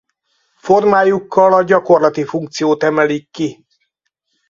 Formájukkal a gyakorlati funkciót emelik ki.